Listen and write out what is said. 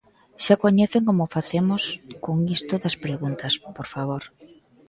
Xa coñecen como facemos con isto das preguntas, por favor.